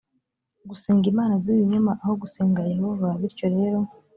gusenga imana z ibinyoma aho gusenga yehova bityo rero